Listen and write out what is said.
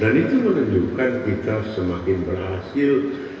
dan itu menunjukkan kita semakin berhasil